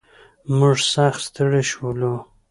موږ سخت ستړي شولو.